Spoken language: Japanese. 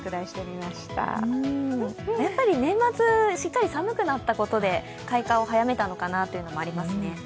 やっぱり年末しっかり寒くなったことで開花を早めたのかなというのもありますね。